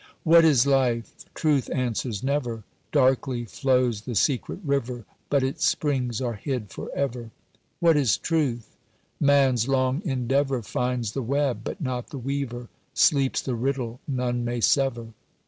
What is Life? Truth answers never; Darkly flows the secret river, But its springs are hid for ever. What is Truth? Man's long endeavour Finds the web but not the weaver: Sleeps the riddle none may sever.